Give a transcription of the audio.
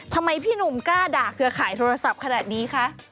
พี่หนุ่มกล้าด่าเครือข่ายโทรศัพท์ขนาดนี้คะ